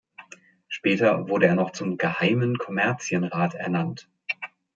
Später wurde er noch zum Geheimen Kommerzienrat ernannt.